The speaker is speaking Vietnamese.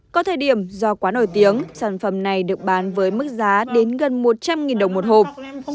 có thời điểm do quá nổi tiếng sản phẩm này được bán với mức giá đến gần một trăm linh đồng một hộp